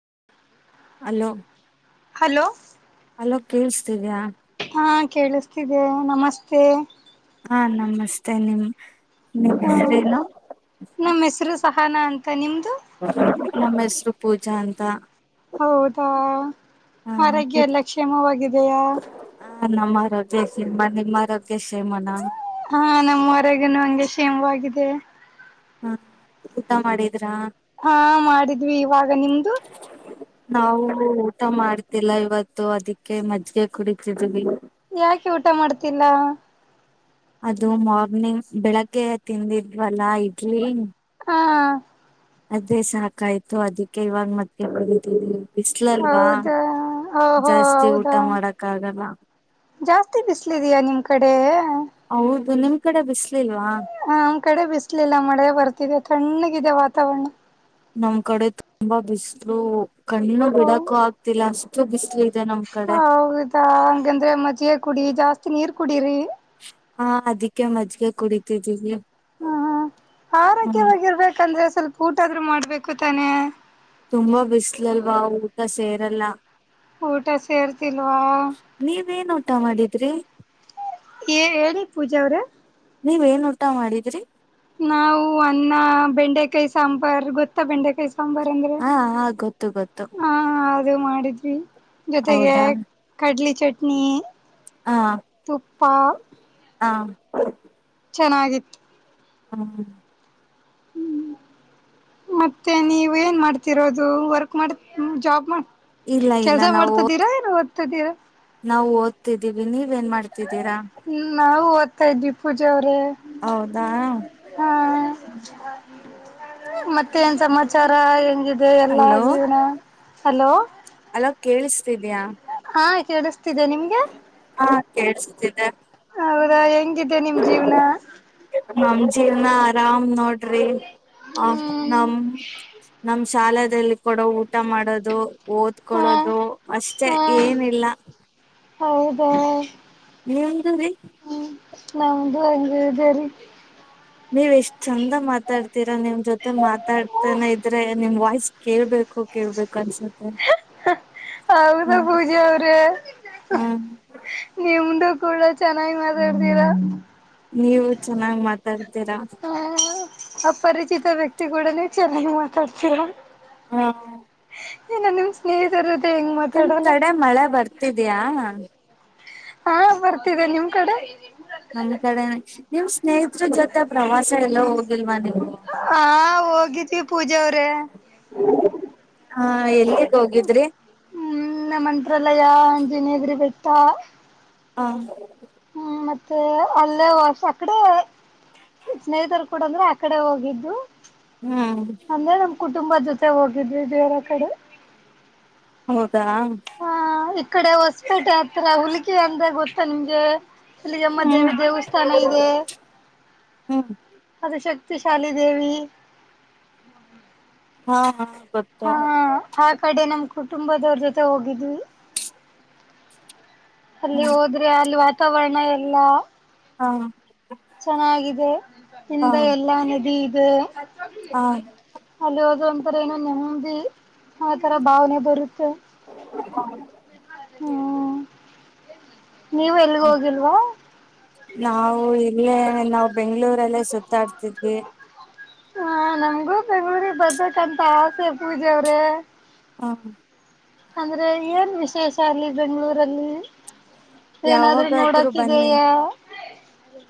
[unintelligible] ಹಾಲೋ? [unintelligible] Hello? [unintelligible] Low ಕೇಳುತ್ತಿದೆಯಾ? [unintelligible] ಹಾ ಕೇಳಿಸ್ತಿದೆ ನಮಸ್ತೆ. [unintelligible] ಹಾ ನಮಸ್ತೆ ನಿಮ ನಿಮ್ಮ ಹ ಹೆಸರ ಏನು? [unintelligible] ನಮ್ಮ ಹೆಸರು ಸಹಾನ ಅಂತ ನಿಮ್ದು? [unintelligible] ನಮ್ಮ ಹೆಸರು ಪೂಜಾ ಅಂತ [unintelligible] ಹೌದಾ ಹಾ ಆರೋಗ್ಯ ಎಲ್ಲ ಕ್ಷೇಮ ವಾಗಿದೆಯಾ? [unintelligible] ಹಾ ನಮ್ಮ ಆರೋಗ್ಯ ಸಿಮಾ ನಿಮ್ಮ ಆರೋಗ್ಯ ಕ್ಷೇಮ ನಾ? [unintelligible] ಹಾ ನಮ್ಮ ಹೊರಗನು ಹಂಗೆ ಕ್ಷೇಮವಾಗಿದೆ. [unintelligible] ಹಾ ಊಟ ಮಾಡಿದ [unintelligible] ಹಾ ಮಾಡಿದ್ವಿ ಇವಾಗ ನಿಮ್ದು? [unintelligible] ನಾವು ಊಟ ಮಾಡ್ತಿಲ್ಲ ಇವತ್ತು ಅದಕ್ಕೆ ಮಜ್ಜಿಗೆ ಕುಡಿತಿದ್ವಿ. [unintelligible] ಯಾಕೆ ಊಟ ಮಾಡ್ತಿಲ್ಲ? [unintelligible] ಅದು ಮಾರ್ನಿಂಗ್ ಬೆಳಗ್ಗೆ ತಿಂದಿದ್ವಲ್ಲ ಇಡ್ಲಿ. [unintelligible] ಹಾ ಅದೇ ಸಾಕಾಯ್ತು ಅದಕ್ಕೆ ಇವಾಗ ಮಜ್ಜಿಗೆ ಕುಡಿತಿದೀನಿ. [unintelligible] ಬಿಸಿಲು ಅಲ್ವಾ ಹೌದಾ ಓಹೋ ಜಾಸ್ತಿ ಊಟ ಹೌದಾ ಮಾಡಕ್ ಆಗಲ್ಲ. [unintelligible] ಜಾಸ್ತಿ ಬಿಸಿಲಿದೆಯಾ ನಿಮ್ಮ ಕಡೆ. [unintelligible] ನಿಮ್ಮ ಕಡೆ ಬಿಸಿಲ [unintelligible] ಹಾ ನಮ್ಮ ಕಡೆ ಬಿಸ್ಲಿಲ್ಲ ಮಳೆ ಬರ್ತಿದೆ ತಣ್ಣಗಿದೆ ವಾತಾವರಣ. [unintelligible] ನಮ್ಮ ಕಡೆ ತುಂಬಾ ಬಿಸಲು ಕಣ್ಣು ಬಿಡಕು ಆಗ್ತಿಲ್ಲ ಅಷ್ಟು ಬಿಸಿಲು ಇ [unintelligible] ಹೌದಾ ಹಂಗಂದ್ರೆ ಮಜ್ಜಿಗೆ ಕುಡಿ ಜಾಸ್ತಿ ನೀರ್ ಕುಡರಿ. [unintelligible] ಹಾ ಅದಕ್ಕೆ ಮಜ್ಜಿಗೆ ಕುಡಿತಿದ್ದೀವಿ. [unintelligible] ಹ ಹ ಆರೋಗ್ಯವಾಗಿ ಇರಬೇಕಂದ್ರೆ ಸ್ವಲ್ಪ ಊಟ ಆದ್ರು ಮಾಡ್ಬೇಕು ತಾನೇ? [unintelligible] ತುಂಬಾ ಬಿಸ್ಲಲ್ವಾ ಊಟ ಸೇರಲ್ಲ. ಊಟ ಸೇರ್ತಿಲ್ವಾ. ನೀವೇನ್ ಊಟ ಮಾಡಿದ್ರಿ. ಏ ಹೇಳಿ ಪೂಜೆ ಅವ್ರ. ನೀವ್ ಏನ್ ಊಟ ಮಾಡಿದ್ರಿ. ನಾವು ಅನ್ನ ಬೆಂಡೆಕಾಯಿ ಸಾಂಬಾರ್ ಗೊತ್ತಾ ಬೆಂಡೆಕಾಯಿ. ಸಾಂಬಾರ ಅಂದ್ರೆ ಹಾ ಹಾ ಗೊತ್ತು ಗೊತ್ತು ಹ. ಮಾಡಿದ್ವಿ ಜೊತೆಗೆ ಹೌದಾ ಕಡ್ಲಿ ಚಟ್ನಿ. ಹ ತುಪ್ಪ. ಹಾಗಯು ಚೆನ್ನಾಗಿತ್ತು. ಹ ಹೂ ಮತ್ತೆ ನೀವು ಏನ್ ಮಾಡ್ತಿರೋದು ವರ್ಕ್ ಮಾಡ ಜಾಬ್ ಮಾಡ. ಇಲ್ಲ ಇಲ್ಲ ಕೆಲ್ಸ ನಾವು ಓದ ಮಾಡ್ತಿದ್ದೀರಾ ಏನು ಓದ್ತಿದ್ದೀರಾ ನಾವು ಓದ್ತಿದ್ದೀವಿ ನೀವೇನ್ ಮಾಡ್ತ. ಹೂ ನಾವು ಓದ್ತಾ ಇದ್ವಿ ಪೂಜ ಅವ್ರೆ. ಹೌದಾ. ಮತ್ತೆ ಏನ್ ಸಮಾಚಾರ ಹೆಂಗಿದೆ ಎಲ್ಲಾ ಜೀವನ ಹಲೋ. ಹಲೋ ಕೇಳ್ತಾ ಇದೀಯ ಹಾ ಕೇಳ. ಹಾ ಕೇಳ್ಸ್ತಿದೆ. ಹೌದಾ ಹೆಂಗಿದೆ ನಿಮ್ಮ್ ಜೀವ್ನ. ಜೀವನ ಆರಾಮ್ ನೋಡ್ರಿ ಆ ಹ್ಮ್ ನಮ್ಮ ನಾಮ್ ಶಾಲದಲ್ಲಿ ಕೊಡ ಊಟ ಊಟ ಮಾಡೋದು ಹಾ ಓದ್ಕೊಳ್ಳೋದು ಅಷ್ಟೆ ಹಾ ಏನಿಲ್ಲ. ಹೌದಾ. ನಿಮ್ದು ರೀ. ಹ್ಮ್ ನಮ್ದು ಹೆಂಗದೆರಿ. ನೀವ್ ಎಷ್ಟ್ ಚಂದ ಮಾತಾಡ್ತೀರ ನಿಮ್ ಜೊತೆ ಮಾತಾಡ್ತಾನ ಇದ್ರೆ ನಿಮ್ ವಾಯ್ಸ್ ಕೇಳ್ಬೇಕು. ಕೇಳ್ಬೇಕು ಅನ್ಸುತ್ತೆ. ಹೌದ ಹ್ಮ ಪೂಜ ಅವ್ರೆ ಹ ನಿಮ್ಮ್ದ. ನೀವು ಕೂಡ ಚೆನ್ನಾಗಿ ಮಾತಾಡ್ತೀರಾ. ನೀವು ಚೆನ್ನಾಗ್ ಮಾತಾಡ್. ಹ ಅಪರಿಚಿತ ವ್ಯಕ್ತಿ ಕೂಡನೆ ಚೆನ್ನಾಗಿ ಮಾತಾಡ್ತಿರ. ಹಾ. ಏನ ನಿಮ್ ಸ್ನೇಹಿತರು. ನಿಮ್ ಕಡೆ ಮಳೆ ಬರ್ತಿದ್ಯಾ. ಹಾ ಬರ್ತಿದೆ ನಿಮ್ ಕಡೆ. ನಮ್ ಕಡೆನೆ ನಿವ್ ಸ್ನೇಹತ್ರರ ಜೊತೆ ಪ್ರವಾಸ ಎಲ್ಲೋ ಹೋಗಿಲ್ವಾ ನೀವು. ಹಾ ಹೋಗಿದೆ ಪೂಜಾ ಅವ್ರೇ ಹಾ ಎಲ್ಲಿಗೆ ಹೋಗಿದ್ರಿ. ಹ್ಮ್ ನಮ್ಮ ಮಂತ್ರಾಲಯ ಅಂಜನೇಗರಿ ಬೆಟ್ಟ. ಹಾ ಹ್ಮ್ ಮತ್ತೆ ಅಲ್ಲೇ ಅಕಡೆ ಸ್ನೇಹಿತರು ಕೂಡ ಅಂದ್ರೆ ಆಕಡೆ ಹೋಗಿದ್ದು ಹೂ ಕುಟುಂಬ ಜೊತೆ ಹೋಗಿದ್ವಿ ಬೇರೆ ಕಡೆ ಹೌದಾ ಹ ಈ ಕಡೆ ಹೊಸ್ಪೇಟೆ ಹತ್ರ ಹುಲ್ಕೆ ಅಂದ್ರ ಗೊತ್ತಾ ನಿಮ್ಗೆ ಇಲ್ಲಿ ಹುಲಿಗಮ್ಮ ದೇವಿ ಹ್ಮ್ ದೇವಸ್ಥಾನ ಇದೆ ಹ್ಮ್ ಅದು ಶಕ್ತಿ ವಿಶಾಲಿ ದೇವಿ. ಹಾ ಹಾ ಗೊತ್ತು ಹಾ ಆ ಕಡೆ ನಮ ಕುಟುಂಬದವ್ರ ಜೊತೆ ಹೋಗಿದ್ವಿ. ಅಲ್ಲಿ ಹ್ಮ್ ಹೋದ್ರೆ ಅಲ್ಲಿ ವಾತಾವರಣ ಎಲ್ಲ. ಹಾ ಚೆನ್ನಾಗಿದೆ ಹಾ ಹಿಂದೆ ಎಲ್ಲಾ ನದಿ ಇದೆ. [inaudible] ಹಾ ಅಲ್ಲಿ ಹದ ಒಂತರ ಏನೋ ನೆಮ್ಮದಿ ಆ ತರ ಭಾವನೆ ಬರುತ್ತೆ. [inaudible] ಹ್ಮ್ ನೀವು ಎಲ್ಗ [inaudible] ಹ ಹೋಗಿಲ್ವಾ ನಾವು ಇಲ್ಲಿಯೆ. [unintelligible] ನಾವ್ ಬೆಂಗ್ಗಳೂರಲ್ಲೇ ಸುತ್ತಾಡ್ತಿದ್ವಿ. ಹ ನಮಗೂ ಬೆಂಗಳೂರಿಗೆ ಬರ್ಬೇಕಂತ ಆಸೆ ಪೂಜೆ ಅವ್ರೆ. ಹಾ ಅಂದ್ರೆ ಏನ್ ವಿಶೇಷ ಅಲ್ಲಿ ಬೆಂಗ್ಗಳೂರಲ್ಲಿ. ಏನಾದ್ರು ಯಾವಾಗಾದ್ರೂ ಬನ್ನಿ ನೋಡಕಿದೆಯಾ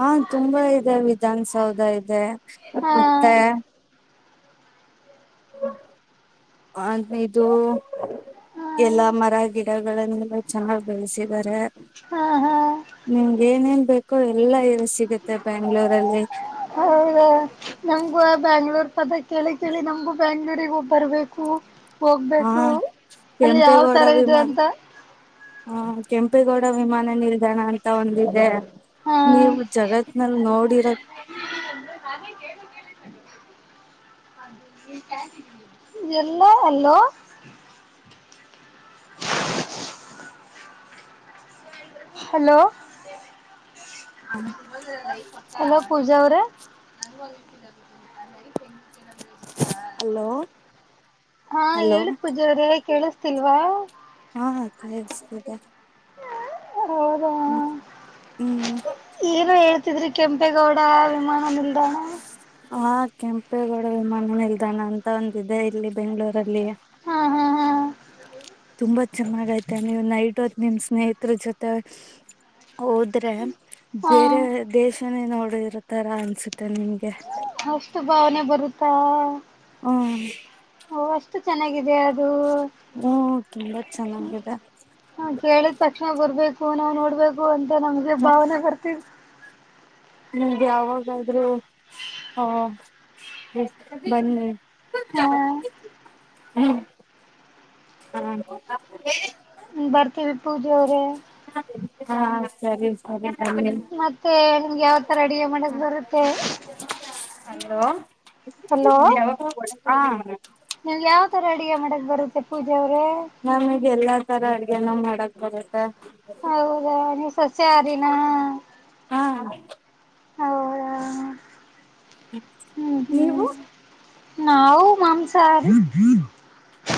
ಹಾ ತುಂಬಾ ಇದಾವೆ. ವಿಧಾನಸೌಧ ಇದೆ ಹಾ ಮತ್ತೆ. [inaudible] ಅ ಇದು ಹಾ ಎಲ್ಲಾ ಮರ ಗಿ [unintelligible] ಗಳನ್ನೆಲ್ಲ ಬೆಳೆಸಿದ್ದಾರೆ ಹಾ ಹಾ ನಿಮಗೇನ್ ಎನ್ ಬೇಕು ಎಲ್ಲ ಇಲ್ ಸಿಗುತ್ತೆ ಬೆಂಗ್ಳೂರಲ್ಲಿ. ಹೌದ ನಂಗೂ ಬ್ಯಾಂಗ್ಳೂರ್ ಪದ ಕೇಳಿ ಕೇಳಿ ನಮಗು ಬ್ಯಾಂಗ್ಳೂರಿಗೆ ಒಗ್ ಬರ್ಬೇಕು. ಹಾ ಹೋಗ್ಬೇಕು ಅಲ್ಲಿ ಯಾವ್ ಕೆಂಪೇಗೌಡ ತರ ಇದೆ ಅಂತ. ಕುಪೇಗೌಡ ವಿಮಾನ ನಿಲ್ದಾಣ ಅಂ ಅಂತ ಒಂದಿದೆ ಹಾ ನೀವು ಜಗತ್ ನಲ್ಲಿ ನೋಡಿರ [inaudible] ಎಲ್ಲ ಎಲ್ಲೋ. [inaudible] ಹಲೋ ಹಲೋ ಪೂಜಾ ಅವ್ರೆ. ಅಲೋ ಹಾ ಹಲೋ ಹೇಳಿ ಪೂಜಾ ಅವ್ರೆ ಕೇಳಿಸ [unintelligible] ಸಿಲ್ವಾ. ಹಾ ಕೇಳುಸ್ತಿದೆ. ಹೌದಾ ಹ್ಮ್ ಹ್ಮ್ ಹ್ಮ ಇತ್ತಿದ್ರೆ ಕೆಂಪೇಗೌಡ ವಿಮಾನ ನಿಲ್ದಾಣ. ಆ ಕೆಂಪೇಗೌಡ ವಿಮಾನ ನಿಲ್ದಾಣ ಅಂತ ಒಂದಿದೆ ಇಲ್ಲಿ ಬೆಂಗ್ಗಳೂರಲ್ಲಿ. ಹ ಹ ಹಾ ತುಂಬಾ ಚೆನ್ನಾಗೈತೆ ನೀವು ನೈಟ್ ಹೊತ್ ನಿಮ್ ಸ್ನೇಹತ್ರರ ಜೊತೆ. ಹೋದ್ರೆ ಹಾ ಬೇರೆ ದೇಶನೇ ನೋಡಿರ ತರ ಅನ್ಸುತ್ತೆ ನಿಂಮ್ಗೆ. ಅಷ್ಟು ಭಾವನೆ ಬರುತ್ತಾ. ಹ್ಮ ಅ ಅದು ತುಂಬಾ ಚೆನ್ನಾಗಿದೆ ಹ ಕೇಳುತ್ತೆ. ತಕ್ಷಣ ಬರ್ಬೇಕು ನಾವು ನೋಡ್ಬೇಕು ಅಂತ ನಮ್ಗೆ ಹಾ ಭಾವನೆ ಬರ್ತದೆ. ಯಾವಾಗಾದ್ರೂ ಹಾ [unintelligible] ಬನ್ನಿ. ಹಾ ಹ್ಮ ಹ್ಮ ಬರ್ತೀವಿ ಪೂಜೆ ಅವ್ರೆ. ಹಾ ಸರಿ ಸರಿ. ಬನ್ನಿ ಮತ್ತೆ ನಿಮ್ಗೆ ಯಾವತರ ಅಡಿಗೆ ಮಾಡಕ್ ಬರುತ್ತೆ. ಹಲೋ ಹಲೋ ಹ. ನಿಮ್ಗೆ ಯಾವ್ ತರ ಅಡುಗೆ ಮಾಡಕ್ ಬರುತ್ತೆ ಪೂಜೆ ಅವ್ರೇ. ಎಲ್ಲ ತರ ಅಡ್ಗೆನ ಮಾಡಕ್ ಬರುತ್ತೆ. ಹೌದಾ ನೀವು ಸಸ್ಯಹಾರಿನ. ಹಾ ಹೌ [inaudible] ನೀವು ನಾವು ಮಾಂಸಾಹಾರಿ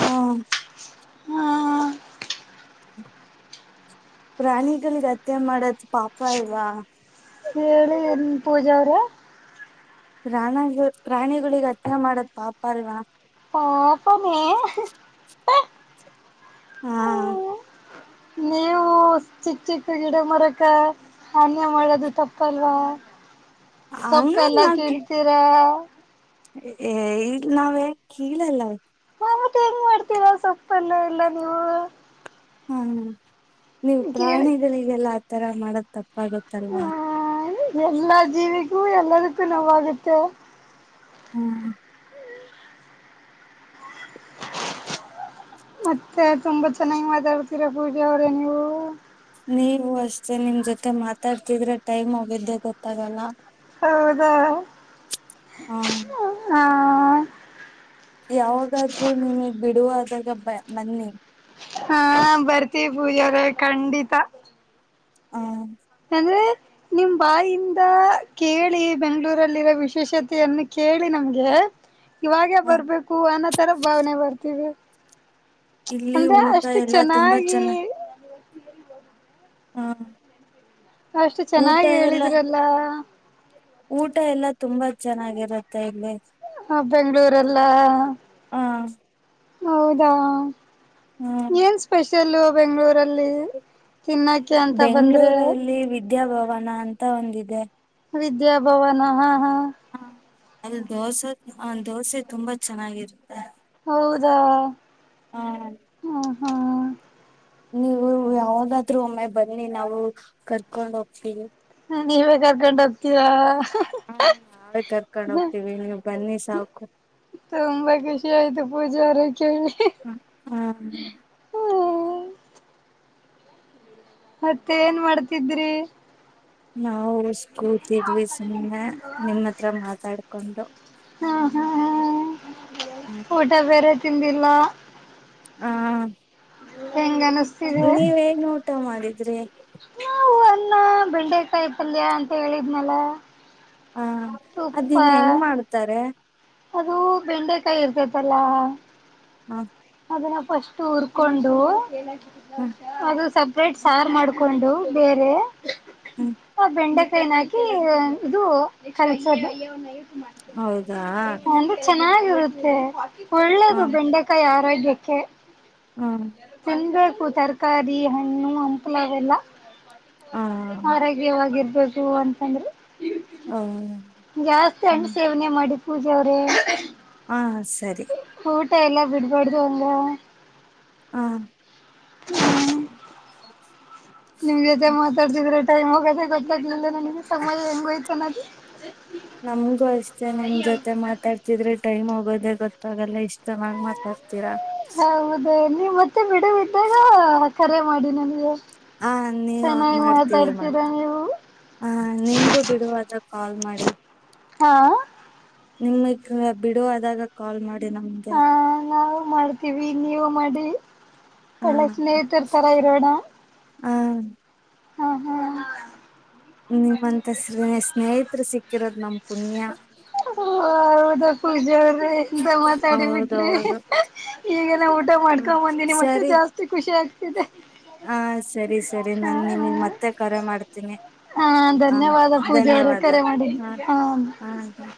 ಹ್ಮ [inaudible] ಹ್ಮ [unintelligible] ಪ್ರಾಣಿಗಳಿಗೆ ಹತ್ಯೆ ಮಾಡದ ಪಾಪ ಅಲ್ವಾ. ಏಳಿ ಪೂಜ ಅವ್ರ [unintelligible] ಪ್ರಾಣ, ಪ್ರಾಣಿಗಳಿಗೆ ಹತ್ಯೆ ಮಾಡದಪಾಪ ಅಲ್ವಾ. ಪಾಪನೇ ಹಾ [unintelligible] ನೀವು ಚಿಕ್ಕ- ಚಿಕ್ಕ ಗಿಡ ಮರಗಳ ಧಾನ್ಯ [unintelligible] ಮಾಡೋದು ತಪ್ಪಲ್ವಾ ಸೊಪ್ಪ ಹಂಗ ಎಲ್ಲ ಕೀಳ್ತೀರ. ಏಯ್ ಈಗ ನಾವೇನು ಕೀಳಲ್ಲ. ಮ ಮತ್ ಹೆಂಗ್ ಮಾಡ್ತೀರ ಸೊಪ್ಪೆಲ್ಲ ಎಲ್ಲ ನೀವು ಹ್ಮ್, ಹ್ಮ, ನೀವು ಕೇಳಿ ಪ್ರಾಣಿಗಳಿಗೆಲ್ಲ ಆತರ ಮಾಡ ತಪ್ಪಾಗತ್ತಲ್ವಾ. ಹ ಎಲ್ಲಾ ಜೀವಿಗೂ ಎಲ್ಲದಕ್ಕೂ ನೋವಾಗುತ್ತೆ. ಹ್ಮ್ [inaudible] [inaudible] ಮತ್ತೆ ತುಂಬಾ ಚೆನ್ನಾಗಿ ಮಾತಾಡ್ತೀರಾ ಪೂಜೆ ಅವ್ರೇ ನೀವು. ನೀವು ಅಷ್ಟೇ ನಿಮ್ ಜೊತೆ ಮಾತಾಡ್ತಿದ್ರೆ ಟೈಮೇ ಹೋಗಿದ್ದ ಗೊತ್ತಾಗಲ್ಲ. ಹೌದಾ,, ಹಾ, ಹಾ [inaudible] ಯಾವುದಾದ್ರೂ ನಿಮಗ್ ಬಿಡುವಾದಾಗ ಬ ಬನ್ನಿ, ಹಾ, ಬರ್ತೀವಿ ಪೂಜಾ ಅವರೆಖಂಡಿತ. ಹ್ಮ [inaudible] ಹೆಂದೆ [unintelligible] ನಿಮ್ಮ ಬಾಯಿಂದ ಕೇಳಿ ಬೆಂಗಳೂರಲ್ಲಿರೋ ವಿಶೇಷತೆಯನ್ನು ಕೇಳಿ ನಮಗೆ ಇವಾಗೇ ಹ ಬರ್ಬೇಕು ಅನ್ನೋ ತರ ಭಾವನೆ ಬರ್ತದೆ. ಇಲ್ಲಿ ಅಂದ್ರೆ ಊಟ ಅಷ್ಟು ಎಲ್ಲಾ ತುಂಬಾ ಚೆನ್ನಾಗಿ ಹಾ‌ [inaudible] ಅಷ್ಟು ಚೆನ್ನಾಗಿ ಹೇಳಿದ್ರಲ್ಲಾ. ಊಟ ಎಲ್ಲ ತುಂಬಾ ಚೆನ್ನಾಗಿರುತ್ತೆ. ಇಲ್ಲಿ ಹಾ, ಬೆಂಗಳೂರಲ್ಲಾ! ಹ ಹೌದಾ!, ಹ್ಮ ಏನ್ ಸ್ಪೆಷಲ್ ಬೆಂಗಳೂರ ಲ್ಲಿ ತಿನ್ನಾಕೆ ಅಂತ ಬಂದ್ರೆ ಬೆಂಗಳೂರಲ್ಲಿ ವಿದ್ಯಾಭವನ ಅಂತ ಒಂದಿದೆ ವಿದ್ಯಾಭವನ ಹಾ, ಹಾ ಅಲ್ಲಿ ದೋಸೆ, ಆ ದೋಸೆ ತುಂಬಾ ಚೆನ್ನಾಗಿರುತ್ತೆ. ಹೌದಾ!, ಹಾ,, ಹ್ಮ ಹಾ,, ನೀವು ಯಾವದಾದ್ರೂ ಒಮ್ಮೆ ಬನ್ನಿ ನಾವು ಕರ್ಕೊಂಡ್ ಹೋಗ್ತೀವಿ. ನೀವೆ ಕರ್ಕೊಂಡ್ ಹೋಗ್ತೀರಾ,,, ಹಾ, ನಾವೇ ಕರ್ಕೊಂಡ್ ಹೋಗ್ತೀವಿ ನೀವು ಬನ್ನಿ ಸಾಕು. ತುಂಬಾ ಖುಷಿ ಆಯ್ತು ಪೂಜಾ ಅವ್ರ ಕೇಳಿ ಹು [inaudible] ಹ್ಮ್ ಮತ್ತೆ ಏನ್ ಮಾಡ್ತಿದ್ರಿ ನಾವು ಕೂತಿದ್ವಿ ಸುಮ್ಮನೆ ನಿಮ್ಮ ಹತ್ರ ಮಾತಾಡ್ಕೊಂಡು. ಹಾ ಹಾ ಹ್ಮ್ ಊಟ ಬೇರೆ ತಿಂದಿಲ್ಲಾ. ಹಾ ಹೆಂಗ ಅನಿಸ್ತಿದೆ ನೀವೇನ್ ಊಟ ಮಾಡಿದ್ರಿ ನಾವು ಅನ್ನ ಬೆಂಡೆಕಾಯತಲ್ಯ ಅಂತ ಹೇಳಿದ್ನಲ್ಲ ಹಾ ತುಪ್ಪ ಅದಿನ್ ಹೆಂಗ್ ಮಾಡ್ತಾರೆ ಅದು ಬೆಂಡೆಕಾಯಿ ಇರ್ತೈತಲ್ಲ ಹ ಅದನ್ನ ಫಸ್ಟ್ ಉರ್ಕೊಂಡು ಹ್ಮ್ ಅದು ಸಪರೇಟ್ ಸಾರು ಮಾಡಕೊಂಡು ಬೇರೆ ಹ್ಮ್ ಆ ಬೆಂಡೆಕಾಯನ ಹಾಕಿ ಇದು ಕಲಸದು ಹೌದಾ ಹ ಒಳ್ಳೇದು ಬೆಂಡೆಕಾಯಿ ಆರೋಗ್ಯಕ್ಕೆ ಹ್ಮ್ ತಿನ್ನಬೇಕು ತರಕಾರಿ ಹಣ್ಣು ಹಂಪಲೆಲ್ಲ ಹ ಆರೋಗ್ಯವಾಗಿರ್ತ ಅಂತಂದ್ರ ಹ ಜಾಸ್ತಿ ಹಣ್ಣ ಸೇವನೆ ಮಾಡಿ ಪೂಜಾ ಅವರೆ ಹಾ ಸರಿ ಊಟ ಎಲ್ಲ ಬಿಡ್ಬಾರ್ದು ಹಂಗೆ ಹ ಹ್ಮ್ ನಿಮ್ಮ ಜೊತೆ ಹ ಮಾತಾಡ್ತಿದ್ರೆ ಟೈಮ್ ಹೋಗದೆ ಗೊತ್ತಾಗ್ಲ ಸಮಯ ಏಂಗಯೂತನದು ನಮ್ಗೂ ಅಷ್ಟೇ ನಿಮ್ ಜೊತೆ ಮಾತಾಡ್ತಿದ್ರೆ ಟೈಮ್ ಹೋಗೋದೆ ಗೊತ್ತಾಗಲ್ಲ ಇಷ್ಟ ಚೆನ್ನಾಗ್ ಮಾತಾಡ್ತೀರಾ ನೀ ಮತ್ತೆ ಬಿಡುವಿದ್ದಾಗ ಕರೆ ಮಾಡಿ ನನಗೆ ಹ ನೀವು ಚೆನ್ನಾಗ ಮಾಡ್ತೀವಿ ಮಾಡ್ ಮಾತಾಡ್ತೀರಾ ನೀವು ಹ ನಿಮ್ಗೂ ಬಿಡುವಾದಗ ಕಾಲ್ ಮಾಡಿ ಹಾ ನಿಮಗ್ ಬಿಡುವಾದಾಗ ಕಾಲ್ ಮಾಡಿ ನಮ್ಗೆ ಹಾ ನಾವು ಮಾಡ್ತೀವಿ ನೀವು ಮಾಡಿ ಹ ಒಳ್ಳೆ ಸ್ನೇಹಿತರ್ ತರ ಇರೋಣ ಹ್ಮ ಹ್ಮ್ ಹ್ಮ್ ನಿಮ್ಮಂತ ಸ್ ಸ್ನೇಹಿತರು ಸಿಕ್ಕಿರೋದ್ ನಮ ಪುಣ್ಯ ಹೌದು ಪೂಜಾ ಅವರೆ ಎಂತ ಮಾತಾಡಿ ಬಿಟ್ರಿ ಹೌದೌದು ಈಗನಾ ಊಟ ಹ್ಮ್ ಮಾಡ್ಕೊಂಡ್ ಬಂದೀನಿ ಮತ್ತೆ ಸರಿ ಜಾಸ್ತಿ ಖುಷಿ ಆಗ್ತ ಹ ಸರಿ ಸರಿ ಹಾ ನಾನ್ ನಿಮಗ್ ಮತ್ತೆ ಕರೆ ಮಾಡ್ತೀನಿ ಹಾ ಹ ಧನ್ಯವಾದ ಪೂಜಾ ಅವರೆ ಧನ್ಯವಾದ ಕರೆ ಮಾಡಿದ ಹ ಹಾ ಹ